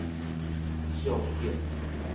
松竹